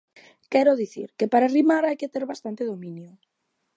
Quero dicir, que para rimar hai que ter bastante dominio.